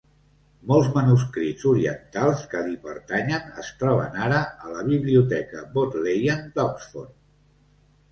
Molts manuscrits orientals que li pertanyen es troben ara a la Biblioteca Bodleian d'Oxford.